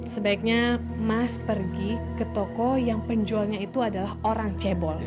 sebaiknya mas pergi ke toko yang penjualnya itu adalah orang cebol